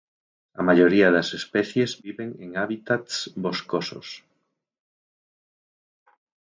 A maioría das especies viven en hábitats boscosos.